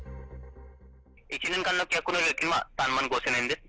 １年間の契約料金は３万５０００円です。